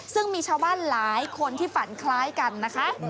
ซึ่งมีชาวบ้านหลายคนที่ฝันคล้ายกันนะคะ